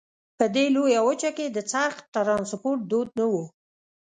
په دې لویه وچه کې د څرخ ټرانسپورت دود نه وو.